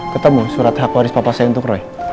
ketemu surat hak waris papa saya untuk roy